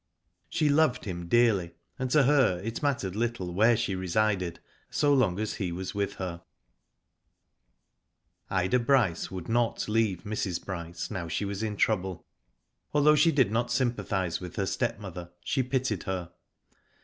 She loved him dearly, and to her it mattered little where she resided, so long as he was with her. Digitized byGoogk THE GHOST WINS. 261 Ida Bryce would not leave Mrs. Bryce now she was in trouble. Although she did not sympathise with her step mother, she pitied her.